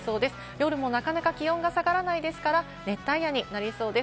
夜もなかなか気温が下がらないですから、熱帯夜になりそうです。